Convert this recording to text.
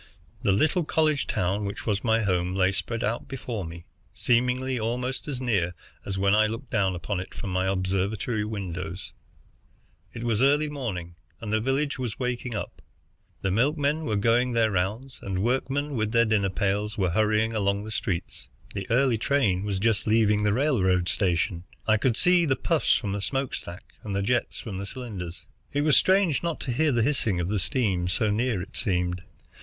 The little college town which was my home lay spread out before me, seemingly almost as near as when I looked down upon it from my observatory windows. It was early morning, and the village was waking up. The milkmen were going their rounds, and workmen, with their dinner pails, where hurrying along the streets. The early train was just leaving the railroad station. I could see the puffs from the smoke stack, and the jets from the cylinders. It was strange not to hear the hissing of the steam, so near I seemed.